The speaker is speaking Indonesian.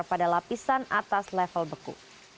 pada lapisan atas level beku